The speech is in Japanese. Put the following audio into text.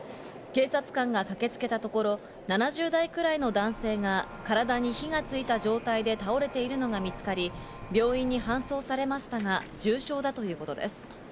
警察官が駆けつけたところ、７０代くらいの男性が体に火がついた状態で倒れているのが見つかり、病院に搬送されましたが、重傷だということです。